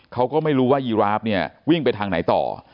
เขาก็ไม่รู้ว่ายีราฟเนี่ยวิ่งไปทางไหนต่อ